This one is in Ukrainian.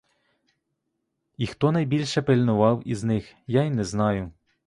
І хто найбільше пильнував із них, я й не знаю.